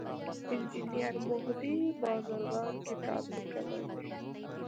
انجینیر مهدي بازرګان کتاب لیکلی دی.